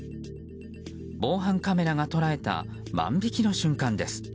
防犯カメラが捉えた万引きの瞬間です。